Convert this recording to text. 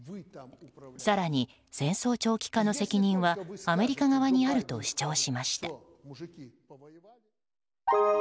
更に戦争長期化の責任はアメリカ側にあると主張しました。